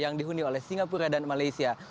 yang dihuni oleh singapura dan malaysia